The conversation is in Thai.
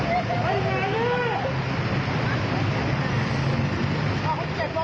เยี่ยมมากครับ